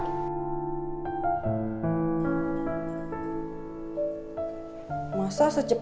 ya udah ada yang baru kali sel